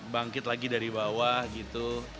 bangkit lagi dari bawah gitu